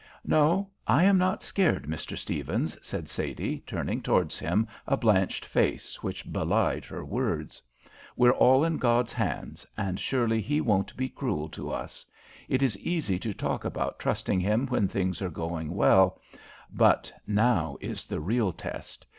"No, I am not scared, Mr. Stephens," said Sadie, turning towards him a blanched face which belied her words. "We're all in God's hands, and surely He won't be cruel to us. It is easy to talk about trusting Him when things are going well, but now is the real test.